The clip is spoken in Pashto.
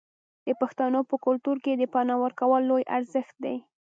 د پښتنو په کلتور کې د پنا ورکول لوی ارزښت دی.